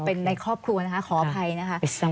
เป็นในครอบครัวนะคะขออภัยนะคะ